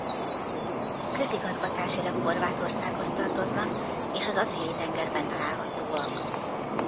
Közigazgatásilag Horvátországhoz tartoznak és az Adriai-tengerben találhatóak.